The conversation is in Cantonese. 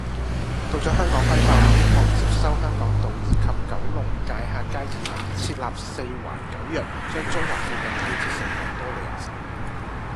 到咗香港開埠，英國接收香港島以及九龍界限街以南，設立四環九約，將中環附近建設成維多利亞城